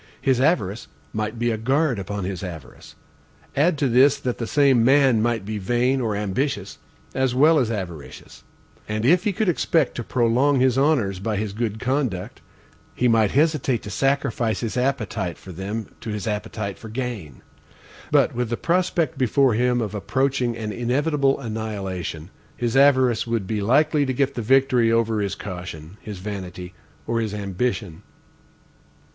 His avarice might be a guard upon his avarice. Add to this that the same man might be vain or ambitious, as well as avaricious. And if he could expect to prolong his honors by his good conduct, he might hesitate to sacrifice his appetite for them to his appetite for gain. But with the prospect before him of approaching an inevitable annihilation, his avarice would be likely to get the victory over his caution, his vanity, or his ambition.